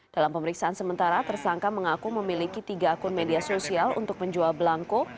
dalam pemeriksaan sementara tersangka mengaku memiliki tiga akun media sosial untuk menjual belangko